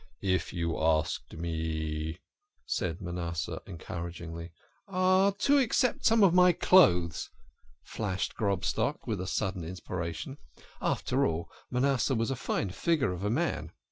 "If you asked me " said Manasseh encouragingly. "To accept some of my clothes," flashed Grobstock, with a sudden inspiration. After all, Manasseh was a fine figure of a man.